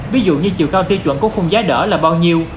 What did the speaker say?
ví dụ như chiều cao tiêu chuẩn của khung giá đỡ là bao nhiêu